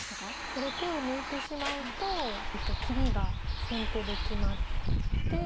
これ手を抜いてしまうと切りが先手で決まって。